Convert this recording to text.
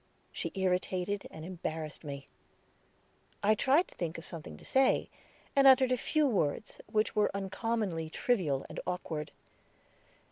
She irritated and embarrassed me. I tried to think of something to say, and uttered a few words, which were uncommonly trivial and awkward.